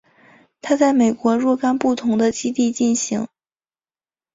它在美国若干不同的基地进行。